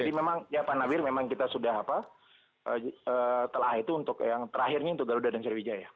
jadi memang ya pak nawir memang kita sudah telah itu untuk yang terakhirnya untuk garuda dan sriwijaya